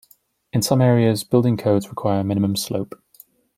In some areas building codes require a minimum slope.